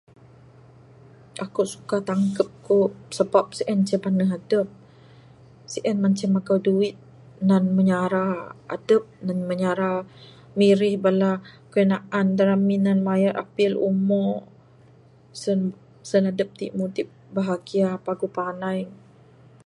Aku suka tangkeb ku sabab sien ce baneh adep. Sien manceh magau duit nan menyara adep nan menyara mirih bala kayuh naan da ramin, mayar bill umo. Sen adep ti mudip bahagia, paguh panai.